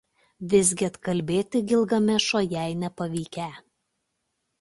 Visgi atkalbėti Gilgamešo jai nepavykę.